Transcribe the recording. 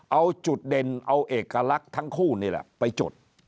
เอาจุดเด่นเอาเอกลักษณ์ทั้งคู่นี่แหละไปจด